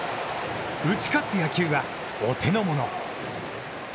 打ち勝つ野球はお手のもの。